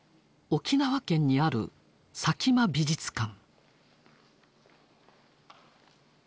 沖縄県にある佐喜眞美術館。